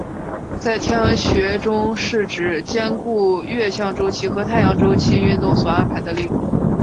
在天文学中是指兼顾月相周期和太阳周期运动所安排的历法。